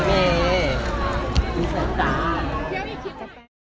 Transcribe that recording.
โปรดติดตามตอนต่อไป